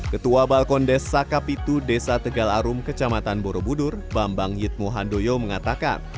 ketua balkon desa kapitu desa tegal arum kecamatan borobudur bambang yitmu handoyo mengatakan